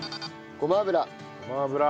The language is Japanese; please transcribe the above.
ごま油。